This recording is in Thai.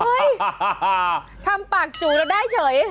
เฮ้ยทำปากจูแล้วได้เฉย